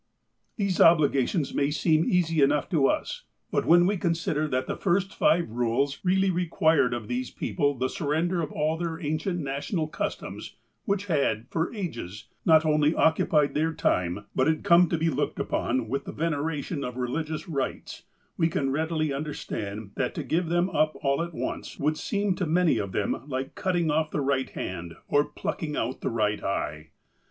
These obligations may seem easy enough to us, but when we consider that the first five rules really required of these people the surrender of all their ancient national customs, which had, for ages, not only occujiied their time, but had come to be looked upon with the venera tion of religious rites, we can readily understand that to give them up all at once would seem to many of them like '' cutting off the right hand or plucking out the right eye."